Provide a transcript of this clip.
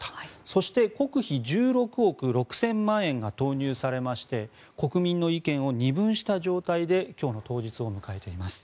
そして国費１６億６０００万円が投入されまして国民の意見を二分した状態で今日の当日を迎えています。